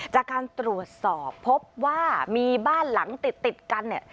จากการตรวจสอบพบว่ามีบ้านหลังติดกันเนี่ย